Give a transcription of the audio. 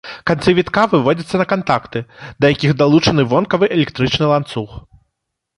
Канцы вітка выводзяцца на кантакты, да якіх далучаны вонкавы электрычны ланцуг.